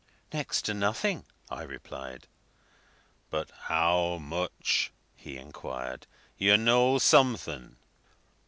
"Next to nothing," I replied. "But how much?" he inquired. "You'd know something."